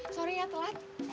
sorry ya telat